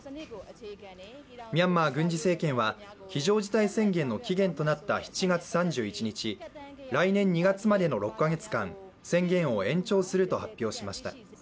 ミャンマー軍事政権は非常事態宣言の期限となった７月３１日、来年２月までの６か月間宣言を延長すると発表しました。